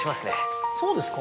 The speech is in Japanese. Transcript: そうですか？